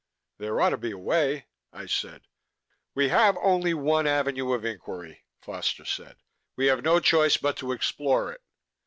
"There ought to be a way...." I said. "We have only one avenue of inquiry," Foster said. "We have no choice but to explore it.